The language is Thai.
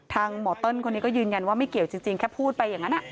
หมอเติ้ลคนนี้ก็ยืนยันว่าไม่เกี่ยวจริงแค่พูดไปอย่างนั้น